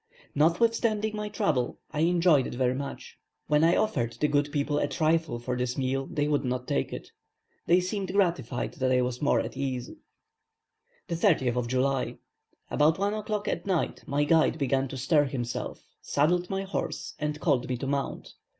Notwithstanding my trouble, I enjoyed it very much. When I offered the good people a trifle for this meal they would not take it. They seemed gratified that I was more at ease. 30th July. About 1 o'clock at night my guide began to stir himself, saddled my horse, and called me to mount.